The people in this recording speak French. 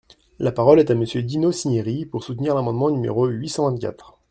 La parole est à Monsieur Dino Cinieri, pour soutenir l’amendement numéro huit cent vingt-quatre.